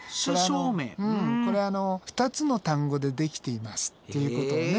これあの２つの単語で出来ていますっていうことをね